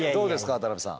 渡辺さん。